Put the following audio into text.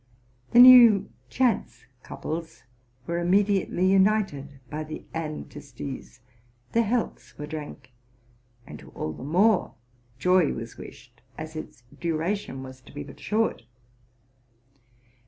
The new chance couples were immediately united by the Antistes, their healths were drank, and to all the more joy was wished, as its duration was to be but short.